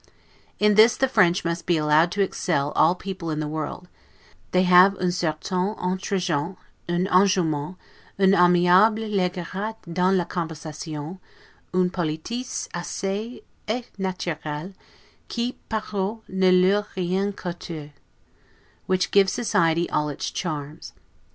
In this the French must be allowed to excel all people in the world: they have 'un certain entregent, un enjouement, un aimable legerete dans la conversation, une politesse aisee et naturelle, qui paroit ne leur rien couter', which give society all its charms.